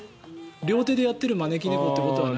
両手でやってる招き猫という。